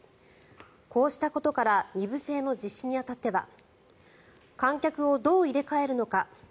こうしたことから２部制の実施に当たっては観客をどう入れ替えるのか。